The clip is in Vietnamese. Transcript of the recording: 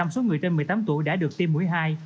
tám sáu số người trên một mươi tám tuổi đã được tiêm mũi hai